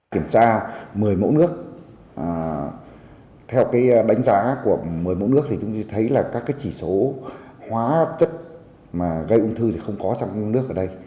kiểm tra một mươi mẫu nước theo đánh giá của một mươi mẫu nước thì chúng tôi thấy là các chỉ số hóa chất gây ung thư không có trong mẫu nước ở đây